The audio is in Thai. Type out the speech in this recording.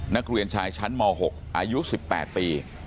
นักเรียนชายชั้นม๖อายุ๑๘ปี